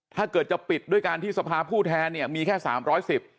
ถ้าเกิดจะปิดด้วยการที่สภาผู้แทนเนี่ยมีแค่สามร้อยสิบ